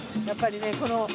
やっぱりねこの。